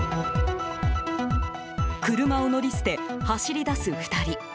車を乗り捨て走り出す２人。